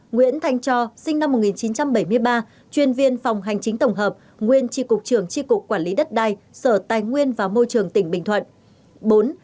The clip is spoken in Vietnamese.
bốn nguyễn thanh cho sinh năm một nghìn chín trăm bảy mươi ba chuyên viên phòng hành chính tổng hợp nguyên tri cục trường tri cục quản lý đất đai sở tài nguyên và môi trường tỉnh bình thuận